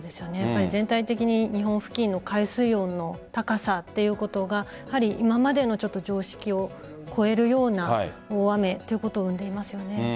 全体的に日本付近の海水温の高さということが今までの常識を超えるような大雨ということを生んでいますよね。